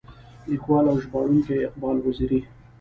ليکوال او ژباړونکی اقبال وزيري.